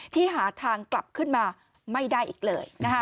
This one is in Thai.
ที่หาทางกลับขึ้นมาไม่ได้อีกเลย